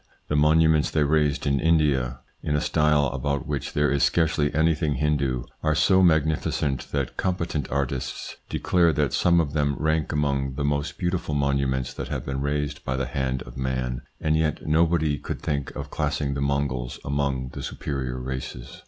The monuments they raised in India, in a style about which there is scarcely anything Hindoo, are so magnificent that competent artists declare that some of them rank among the most beautiful monuments that have been raised by the hand of man ; and yet nobody could think of classing the Mongols among the superior races.